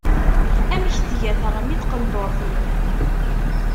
Amek tga teɣmi n tqendurt-im?